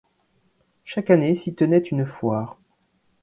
Chaque année s'y tenait une foire.